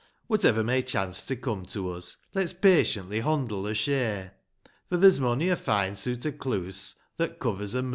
Whatever may chance to come to us, Let's patiently hondle er share, — For there's mony a fine suit o' clooas,* That covers a murderin' care.